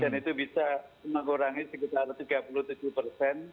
dan itu bisa mengurangi sekitar